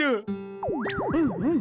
うんうん